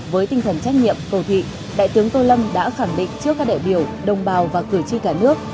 với tinh thần trách nhiệm cầu thị đại tướng tô lâm đã khẳng định trước các đại biểu đồng bào và cử tri cả nước